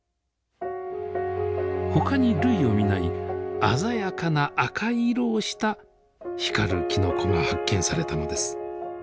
他に類を見ない鮮やかな赤い色をした光るきのこが発見されたのです。